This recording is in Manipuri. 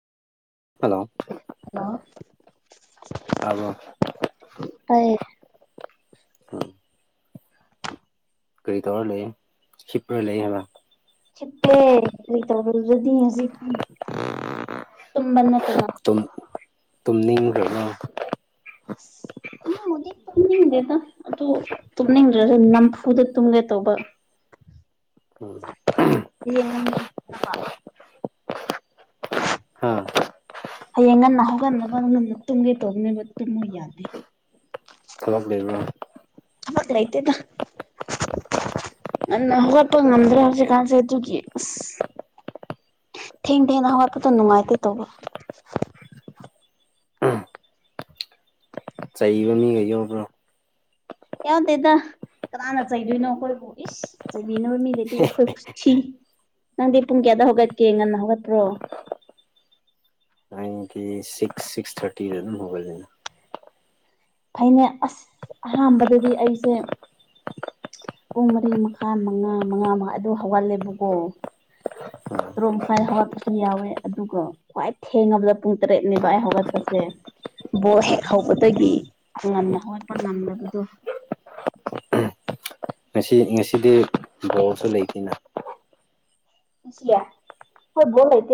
ꯍꯜꯂꯣ ꯍꯜꯂꯣ ꯇꯥꯕꯔꯣ ꯇꯥꯏꯌꯦ ꯎꯝ ꯀꯔꯤ ꯇꯧꯔ ꯂꯩ ꯍꯤꯞꯄ ꯂꯩ ꯍꯥꯏꯕ ꯍꯤꯞꯄꯦ ꯀꯔꯤ ꯇꯧꯔꯒꯗꯤ ꯍꯧꯖꯤꯛꯇꯤ ꯇꯨꯝꯕ ꯅꯠꯇꯅ ꯇꯨꯝꯅꯤꯡꯒ꯭ꯔꯕ ꯇꯨꯝꯕꯨꯗꯤ ꯇꯨꯝꯅꯤꯡꯗꯦꯗ ꯑꯗꯨ ꯇꯨꯝꯅꯤꯡꯗ꯭ꯔꯁꯨ ꯅꯝꯐꯨꯗ ꯇꯨꯝꯒꯦ ꯇꯧꯕ ꯎꯝ ꯌꯦꯡꯉꯅꯤ ꯍꯥꯥ ꯍꯌꯦꯡ ꯉꯟꯅ ꯍꯧꯒꯟꯅꯕ ꯉꯟꯅ ꯇꯨꯝꯒꯦ ꯇꯧꯕꯅꯦꯕ ꯇꯨꯝꯃꯨ ꯌꯥꯗꯦ ꯊꯕꯛ ꯂꯩꯕꯔꯣ ꯊꯕꯛ ꯂꯩꯇꯦꯗ ꯉꯟꯅ ꯍꯧꯒꯠꯄ ꯉꯝꯗ꯭ꯔꯦ ꯍꯧꯖꯤꯛꯀꯥꯟꯁꯦ ꯑꯗꯨꯒꯤ ꯊꯦꯡ ꯊꯦꯡꯅ ꯍꯧꯒꯠꯄꯗꯣ ꯅꯨꯡꯉꯥꯏꯇꯦ ꯇꯧꯕ ꯆꯩꯕ ꯃꯤꯒ ꯌꯧꯕ꯭ꯔꯣ ꯌꯥꯎꯗꯦꯗ ꯀꯅꯥꯅ ꯆꯩꯗꯣꯏꯅꯣ ꯑꯩꯈꯣꯏꯕꯨ ꯏꯁ ꯆꯩꯕꯤꯅꯕ ꯃꯤ ꯂꯩꯗꯤ ꯑꯩꯈꯣꯏ ꯈꯨꯠꯁꯤ ꯅꯪꯗꯤ ꯄꯨꯡ ꯀꯌꯥꯗ ꯍꯧꯒꯠꯀꯦ ꯉꯟꯅ ꯍꯧꯒꯠꯄ꯭ꯔꯣ ꯑꯩ ꯁꯤꯛꯁ ꯁꯤꯛꯁ ꯊꯥꯔꯇꯤꯗ ꯑꯗꯨꯝ ꯍꯧꯒꯠꯂꯦ ꯐꯩꯅꯦ ꯑꯁ ꯑꯍꯥꯟꯕꯗꯗꯤ ꯑꯩꯁꯦ ꯄꯨꯡ ꯃꯔꯤ ꯃꯈꯥ ꯃꯉꯥ ꯃꯉꯥ ꯃꯉꯥ ꯑꯗꯨ ꯍꯧꯒꯜꯂꯦꯕꯀꯣ ꯇꯔꯨꯛ ꯃꯈꯥꯏ ꯍꯧꯈꯠꯄꯁꯨ ꯌꯥꯎꯋꯦ ꯑꯗꯨꯒ ꯈ꯭ꯋꯥꯏ ꯊꯦꯡꯉꯕꯗ ꯄꯨꯡ ꯇꯔꯦꯠꯅꯦꯕ ꯑꯩ ꯍꯧꯒꯠꯄꯁꯦ ꯕꯣꯜ ꯍꯦꯛ ꯍꯧꯕꯗꯒꯤ ꯉꯟꯅ ꯍꯧꯒꯠꯄ ꯉꯝꯗꯕꯗꯣ ꯉꯁꯤ ꯉꯁꯤꯗꯤ ꯕꯣꯜꯁꯨ ꯂꯩꯇꯦꯅ ꯉꯁꯤꯌꯥ ꯍꯣꯏ ꯕꯣꯜ ꯂꯩꯇꯦ